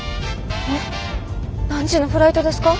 えっ何時のフライトですか？